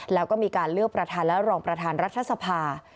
แล้วก็มีการเลือกประธานและรองประธานรัฐสภา